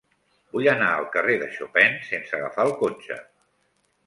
Vull anar al carrer de Chopin sense agafar el cotxe.